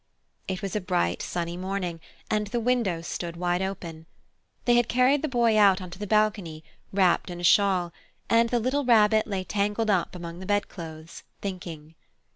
It was a bright, sunny morning, and the windows stood wide open. They had carried the Boy out on to the balcony, wrapped in a shawl, and the little Rabbit lay tangled up among the bedclothes, thinking.